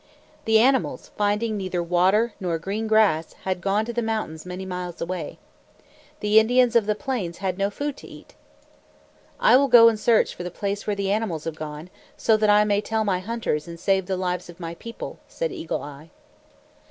The animals, finding neither water nor green grass, had gone to the mountains many miles away. The Indians of the plains had no food to eat. "I will go and search for the place where the animals have gone, so that I may tell my hunters and save the lives of my people," said Eagle Eye.